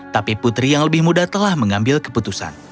tapi putri yang lebih muda telah mengambil keputusan